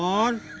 maaf ya mas pur